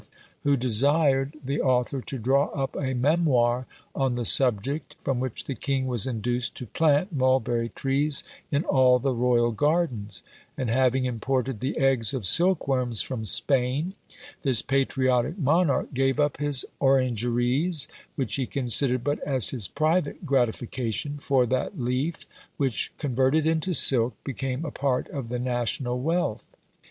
who desired the author to draw up a memoir on the subject, from which the king was induced to plant mulberry trees in all the royal gardens; and having imported the eggs of silk worms from Spain, this patriotic monarch gave up his orangeries, which he considered but as his private gratification, for that leaf which, converted into silk, became a part of the national wealth.